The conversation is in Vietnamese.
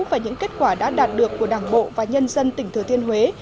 và những kết quả đã đạt được của đảng bộ và nhân dân tỉnh thừa thiên huế